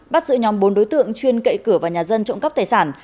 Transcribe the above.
bắt giữ nhóm bốn đối tượng chuyên cậy cửa vào nhà dân trộm cắp tài sản